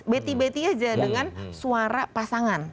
beti beti aja dengan suara pasangan